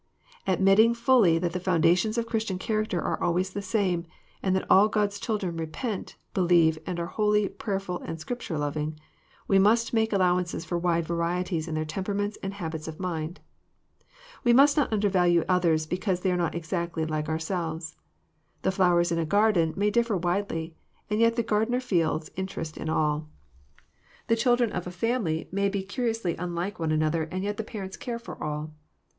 Admitting fully that the foundations of Christian character are always the same, and that all God's children repent, believe, are holy, prayerful, and Scripture loving, we must make al« lowances for wide varieties in their temperaments and habits of mind. We must not undervalue others because they are not exactly like ourselves. The flowers in a garden may differ widely, and yet the gardener feels interest in all. The children of a family may be curiously unlike one another, and yet the parents care for all.